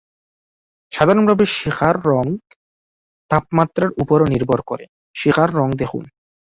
সাধারণভাবে শিখার রঙ তাপমাত্রার উপরও নির্ভর করে; শিখার রঙ দেখুন।